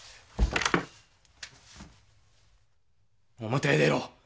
表へ出ろ。